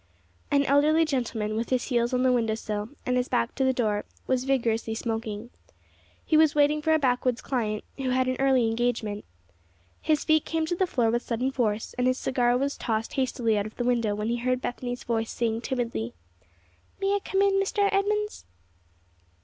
An elderly gentleman, with his heels on the window sill and his back to the door, was vigorously smoking. He was waiting for a backwoods client, who had an early engagement. His feet came to the floor with sudden force, and his cigar was tossed hastily out of the window when he heard Bethany's voice saying, timidly, "May I come in, Mr. Edmunds?"